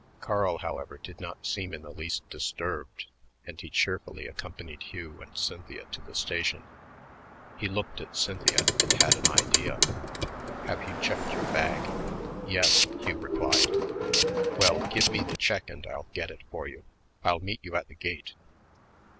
Carl, however, did not seem in the least disturbed, and he cheerfully accompanied Hugh and Cynthia to the station. He looked at Cynthia and had an idea. "Have you checked your bag?" "Yes," Hugh replied. "Well, give me the check and I'll get it for you. I'll meet you at the gate."